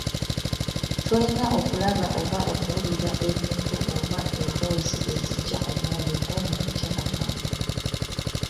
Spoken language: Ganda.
Tolina kulaba oba kuwulira bintu oba mboozi ezijja omwoyo gwo mu kutya Katonda